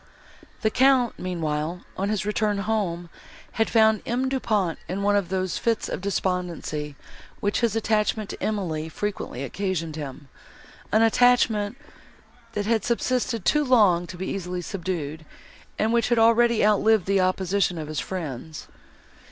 The Count meanwhile, on his return home, had found M. Du Pont in one of those fits of despondency, which his attachment to Emily frequently occasioned him, an attachment, that had subsisted too long to be easily subdued, and which had already outlived the opposition of his friends.